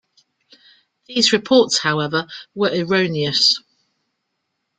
These reports, however, were erroneous.